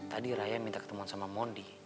tadi raya minta ketemuan sama mondi